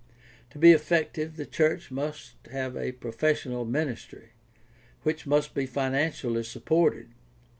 To be effective the church must have a professional ministry, which must be financially sup ported.